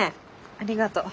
ありがとう。